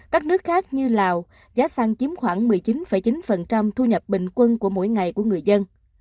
các nước khác như lào giá xăng chiếm khoảng một mươi chín chín thu nhập bình quân của mỗi ngày của người dân